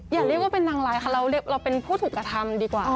อย่าเรียกว่าเป็นนางร้ายค่ะเราเป็นผู้ถูกกระทำดีกว่า